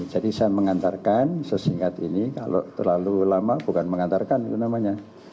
saya mengantarkan sesingkat ini kalau terlalu lama bukan mengantarkan itu namanya